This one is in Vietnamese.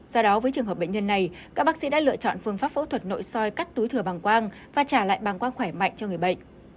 do đó với trường hợp bệnh nhân này các bác sĩ đã lựa chọn phương pháp phẫu thuật nội soi cắt túi thừa bằng quang và trả lại bàng quang khỏe mạnh cho người bệnh